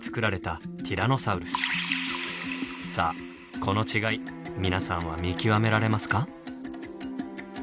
さあこの違い皆さんは見極められますか？